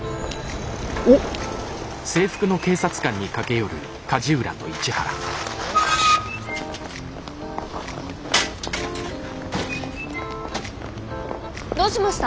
おっ！どうしました？